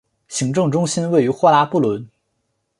行政中心位于霍拉布伦。